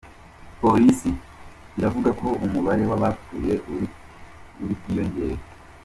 Polisi iravuga ko umubare w'abapfuye uri bwiyongere.